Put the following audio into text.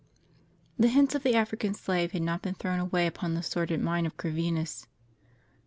[HE hints of the African slave had not been thrown away upon the sordid mind of Cor vinus.